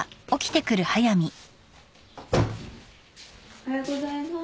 おはようございます。